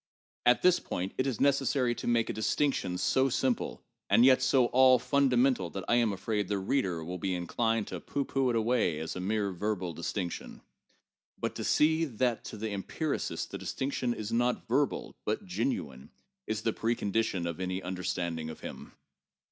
At this point, it is necessary to make a distinction so simple and yet so all funda mental that I am afraid the reader will be inclined to pooh pooh it away as a mere verbal distinction. But to see that to the empiricist this distinction is not verbal, but real, is the precondition of any understanding of him.